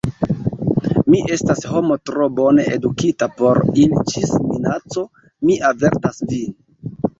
Mi estas homo tro bone edukita por iri ĝis minaco: mi avertas vin.